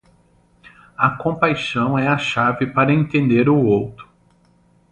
A compaixão é a chave para entender o outro.